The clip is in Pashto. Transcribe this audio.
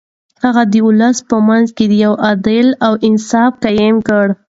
هغه د ولس په منځ کې يو عدل او انصاف قايم کړ.